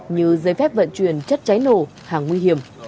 như giấy phép vận chuyển chất cháy nổ hàng nguy hiểm